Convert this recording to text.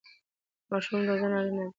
ماشوم روزنه اړینه ده.